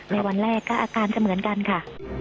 วันแรกก็อาการจะเหมือนกันค่ะ